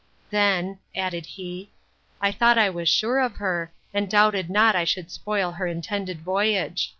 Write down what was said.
Then, added he, I thought I was sure of her, and doubted not I should spoil her intended voyage.